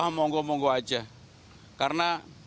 ah monggo monggo aja karena